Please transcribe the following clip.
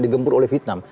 digempur oleh vietnam